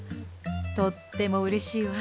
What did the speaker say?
とってもうれしいわ。